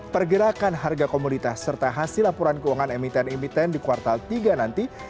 pergerakan harga komoditas serta hasil laporan keuangan emiten emiten di kuartal tiga nanti